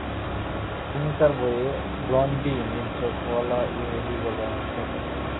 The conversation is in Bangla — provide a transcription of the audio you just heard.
তিনি তার বইয়ে "ব্লন্ডি, নীল-চোখওয়ালা ইহুদি" বলে আখ্যায়িত করেন।